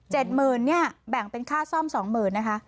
หมื่นเนี่ยแบ่งเป็นค่าซ่อมสองหมื่นนะคะ